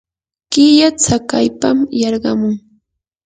killa tsakaypam yarqamun.